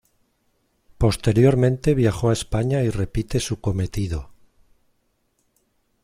Posteriormente viajó a España y repite su cometido.